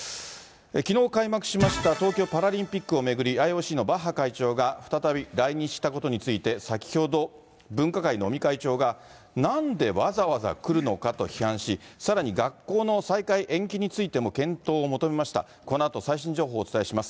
きのう開幕しました、東京パラリンピックを巡り、ＩＯＣのバッハ会長が再び来日したことについて先ほど、分科会の尾身会長が、なんでわざわざ来るのかと批判し、さらに学校の再開延期についても検討を求めました。